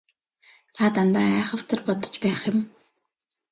Та дандаа айхавтар бодож байх юм.